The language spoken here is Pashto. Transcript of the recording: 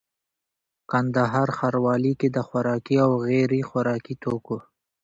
کندهار ښاروالي کي د خوراکي او غیري خوراکي توکو